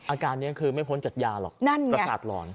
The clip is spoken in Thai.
อาการนี้คือไม่พ้นจากยาหรอกประสาทหลอน